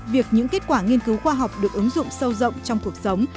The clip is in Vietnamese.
việc những kết quả nghiên cứu khoa học được ứng dụng sâu rộng trong cuộc sống